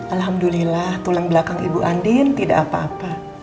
alhamdulillah tulang belakang ibu andin tidak apa apa